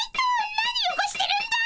何よごしてるんだ！